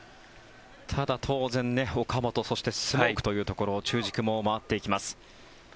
ただ、当然、岡本そしてスモークというところ中軸も回っていきます。